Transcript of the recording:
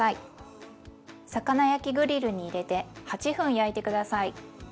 魚焼きグリルに入れて８分焼いて下さい。